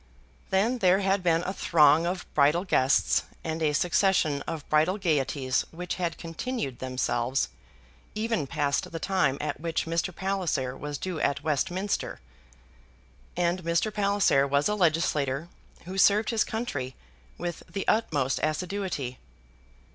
Then there had been a throng of bridal guests, and a succession of bridal gaieties which had continued themselves even past the time at which Mr. Palliser was due at Westminster; and Mr. Palliser was a legislator who served his country with the utmost assiduity.